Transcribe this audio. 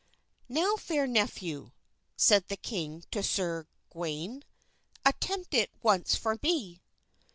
"Now, fair nephew," said the king to Sir Gawain, "attempt it once for me."